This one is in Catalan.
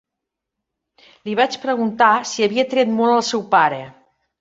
Li vaig preguntar si havia tret molt al seu pare.